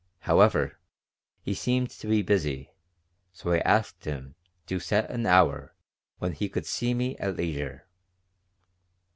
However, he seemed to be busy, and so I asked him to set an hour when he could see me at leisure.